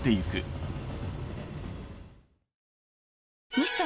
ミスト？